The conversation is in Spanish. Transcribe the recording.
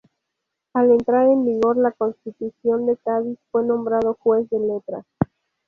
Al entrar en vigor la Constitución de Cádiz fue nombrado juez de letras.